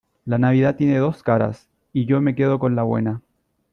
la Navidad tiene dos caras y yo me quedo con la buena,